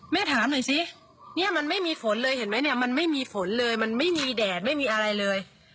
ถามหน่อยสิเนี่ยมันไม่มีฝนเลยเห็นไหมเนี่ยมันไม่มีฝนเลยมันไม่มีแดดไม่มีอะไรเลย